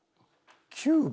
９番？